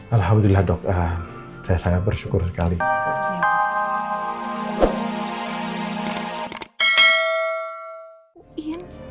alhamdulillah dok saya sangat bersyukur sekali